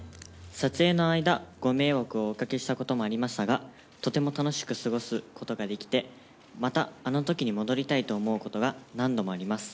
撮影の間、ご迷惑をおかけしたこともありましたが、とても楽しく過ごすことができて、またあのときに戻りたいと思うことが何度もあります。